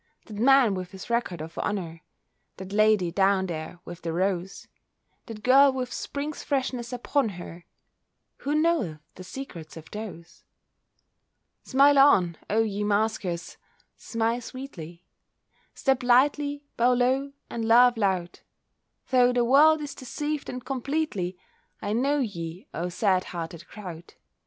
That man with his record of honour, That lady down there with the rose, That girl with Spring's freshness upon her, Who knoweth the secrets of those? Smile on, O ye maskers, smile sweetly! Step lightly, bow low and laugh loud! Though the world is deceived and completely, I know ye, O sad hearted crowd!